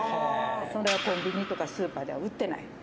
「それはコンビニとかスーパーでは売ってない」